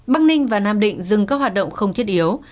bắc ninh và nam định dừng các hoạt động không thiết yếu